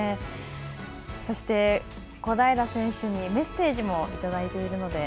そして、小平選手にメッセージもいただいています。